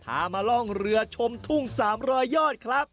พามาล่องเรือชมทุ่ง๓๐๐ยอดครับ